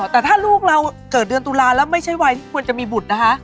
แต่ถ้าลูกเราเกิดเดือนตุลาแล้วไม่ใช่วัยที่ควรจะมีบุตรนะคะ